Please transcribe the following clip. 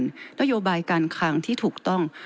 นโยบายการเงินนโยบายการคางที่ถูกต้อง